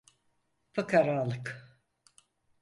Fıkaralık…